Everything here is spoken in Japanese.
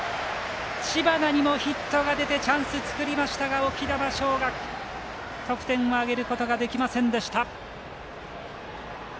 知花にもヒットが出てチャンス作りましたが沖縄尚学、得点挙げることはできませんでした。